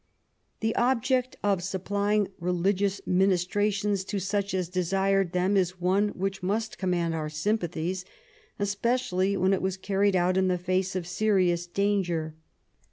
The object of supplying religious ministrations to such as desired them is one which must command our sympathies, especially when it was carried out in the face of serious danger.